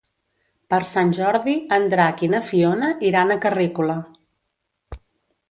Per Sant Jordi en Drac i na Fiona iran a Carrícola.